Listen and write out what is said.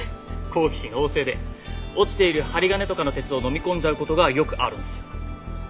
落ちている針金とかの鉄を飲み込んじゃう事がよくあるんです。